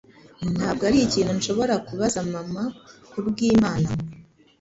Ntabwo arikintu nshobora kubaza mama, kubwimana!